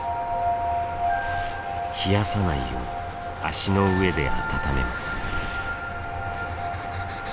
冷やさないよう足の上で温めます。